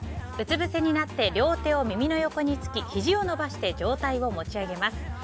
うつぶせになって両手を耳の横につきひじを伸ばして上体を持ち上げます。